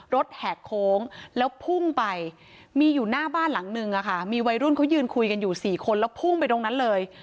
แหกโค้งแล้วพุ่งไปมีอยู่หน้าบ้านหลังนึงมีวัยรุ่นเขายืนคุยกันอยู่๔คนแล้วพุ่งไปตรงนั้นเลย